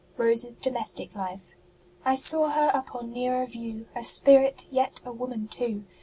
ROSE S DOMESTIC LIFE. I saw her upon nearer view, A Spirit, yet a woman too